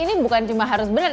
ini bukan cuma harus benar